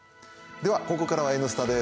では、ここからは「Ｎスタ」です。